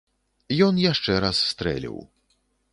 Ён яшчэ раз стрэліў.